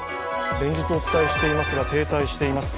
連日、お伝えしていますが停滞しています。